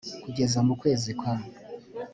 kugeza mu kwezi kwa